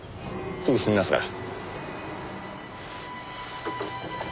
すぐ済みますから。